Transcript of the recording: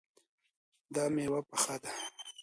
دا میوه پخه ده